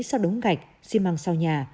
sau đống gạch xi măng sau nhà